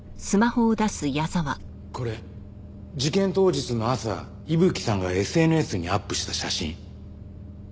これ事件当日の朝伊吹さんがＳＮＳにアップした写真。